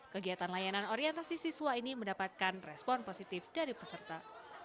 kegiatan layanan orientasi siswa ini mendapatkan respon positif dari peserta